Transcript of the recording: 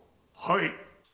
はい。